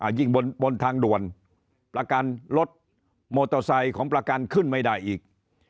ยิ่งบนทางด่วนประกันรถมอเตอร์ไซค์ของประกันขึ้นไม่ได้อีก